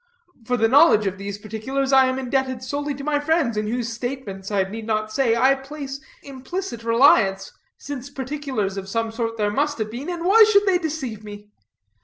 For the knowledge of those particulars I am indebted solely to my friends, in whose statements, I need not say, I place implicit reliance, since particulars of some sort there must have been, and why should they deceive me?